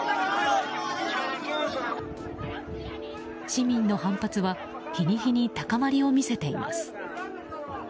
市民の反発は日に日に高まりを見せています。